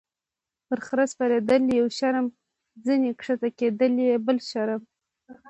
- پر خره سپرېدل یو شرم، ځینې کښته کېدل یې بل شرم.